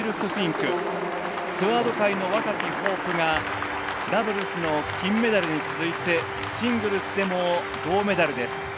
クアード界の若きホープがダブルスの金メダルに続いてシングルスでも銅メダルです。